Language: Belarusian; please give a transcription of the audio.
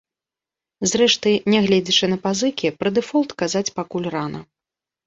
Зрэшты, нягледзячы на пазыкі пра дэфолт казаць пакуль рана.